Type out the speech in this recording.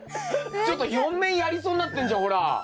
ちょっと４面やりそうになってんじゃんほら。